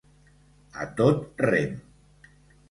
A tot rem.